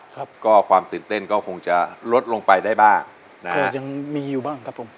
ครับก็ความตื่นเต้นก็คงจะลดลงไปได้บ้างนะฮะก็ยังมีอยู่บ้างครับผม